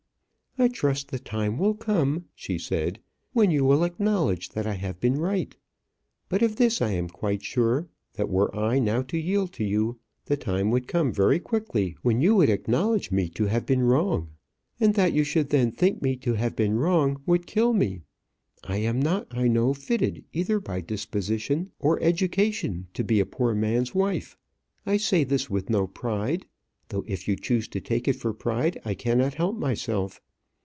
"I trust the time will come," she said, "when you will acknowledge that I have been right. But of this I am quite sure, that were I now to yield to you, the time would come very quickly when you would acknowledge me to have been wrong; and that you should then think me to have been wrong would kill me. I am not, I know, fitted, either by disposition or education, to be a poor man's wife. I say this with no pride; though if you choose to take it for pride, I cannot help myself.